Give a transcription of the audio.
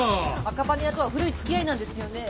赤羽屋とは古い付き合いなんですよね？